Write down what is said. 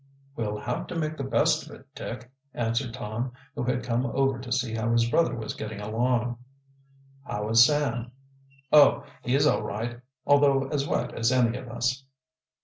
"We'll have to make the best of it, Dick," answered Tom, who had come over to see how his brother was getting along. "How is Sam?" "Oh, he's all right, although as wet as any of us."